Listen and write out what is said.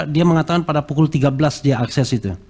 dia mengatakan pada pukul tiga belas dia akses itu